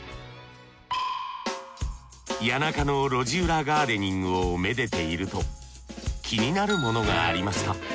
谷中の路地裏ガーデニングを愛でていると気になるものがありました。